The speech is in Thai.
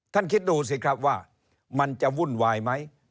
คิดดูสิครับว่ามันจะวุ่นวายไหม